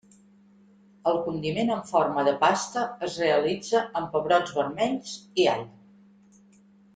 El condiment en forma de pasta es realitza amb pebrots vermells i all.